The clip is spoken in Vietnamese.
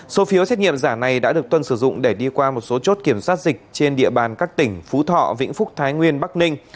số phiếu xét nghiệm giả này đã được tuân sử dụng để đi qua một số chốt kiểm soát dịch trên địa bàn các tỉnh phú thọ vĩnh phúc thái nguyên bắc ninh